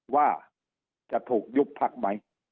ว่าจะถูกยุบพักไหม